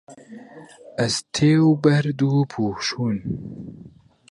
ئەستێ و بەرد و پووشوون